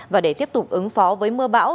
và để tiếp tục ứng phó với mưa bão